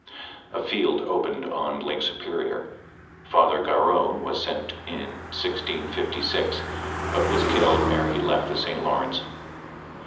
A field opened on Lake Superior. Father Garreau was sent in 1656, but was killed ere he left the St. Lawrence.